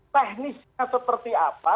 teknisnya seperti apa